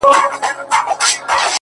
چي د ښـكلا خبري پټي ساتي”